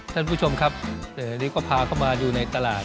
ท่านผู้ชมครับนี่ก็พาเขามาอยู่ในตลาด